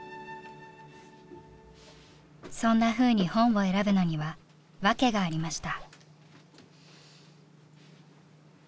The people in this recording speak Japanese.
そんなふうに本を選ぶのには訳がありました。